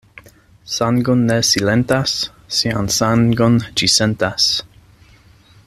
Sango ne silentas, sian sangon ĝi sentas.